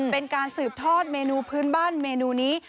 เป็นการสืบทอดเมนูพื้นบ้านเมนูนี้